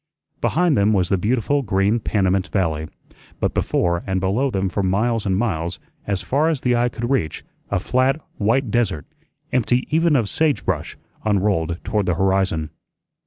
Behind them was the beautiful green Panamint Valley, but before and below them for miles and miles, as far as the eye could reach, a flat, white desert, empty even of sage brush, unrolled toward the horizon.